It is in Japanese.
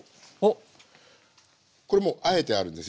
これもうあえてあるんです。